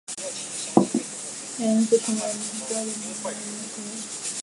杨因此成为了第二组宇航员第一个获得太空任务的成员。